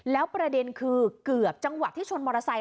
แล้วประเด็นคือเกือบจังหวะที่ชนมอเตอร์ไซค